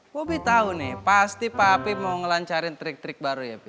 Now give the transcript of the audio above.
bobi tau nih pasti papi mau ngelancarin trik trik baru ya pi